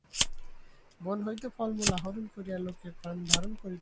বন হইতে ফলমূল আহরণ করিয়া লোকে প্রাণধারণ করিতে লাগিল।